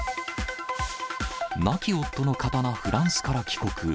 亡き夫の刀、フランスから帰国。